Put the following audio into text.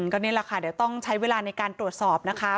ก็นี่แหละค่ะเดี๋ยวต้องใช้เวลาในการตรวจสอบนะคะ